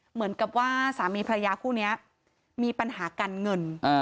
เหมือนกับว่าสามีพระยาคู่นี้มีปัญหาการเงิน